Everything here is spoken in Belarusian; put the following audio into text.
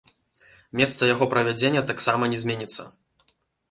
Месца яго правядзення таксама не зменіцца.